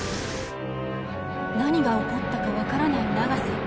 何が起こったか分からない永瀬。